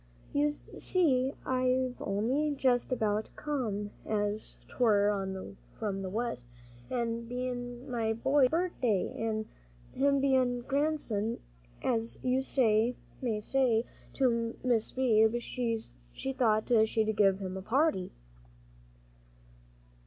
"You see, I've only jest about come, as 'twere, on from the West, an' bein' my boy's got a birthday, an' him bein' grandson, as you may say, to Mis' Beebe, she thought she'd give him a party."